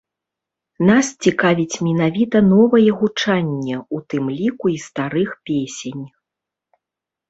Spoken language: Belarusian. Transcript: Нас цікавіць менавіта новае гучанне, у тым ліку, і старых песень.